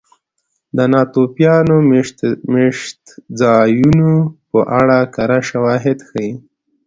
د ناتوفیان مېشتځایونو په اړه کره شواهد ښيي.